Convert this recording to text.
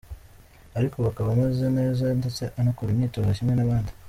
Ariko ubu akaba ameze neza ndetse anakora imyitozo kimwe n’abandi.